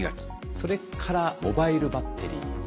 それからモバイルバッテリー。